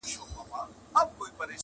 په شنو طوطیانو ښکلی ښکلی چنار!.